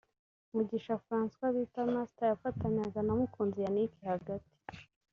Mugisha Francois bita Master yafatanyaga na Mukunzi Yannick hagati